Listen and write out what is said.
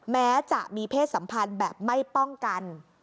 แม้จะมีเพศสัมพันธ์แบบไม่ป้องกัน